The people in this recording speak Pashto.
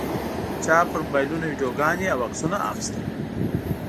چا پر موبایلونو ویډیوګانې او عکسونه اخیستل.